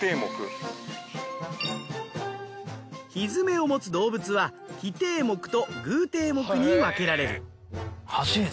蹄を持つ動物は奇蹄目と偶蹄目に分けられる。